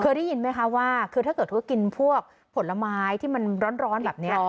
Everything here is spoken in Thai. ได้ยินไหมคะว่าคือถ้าเกิดว่ากินพวกผลไม้ที่มันร้อนแบบนี้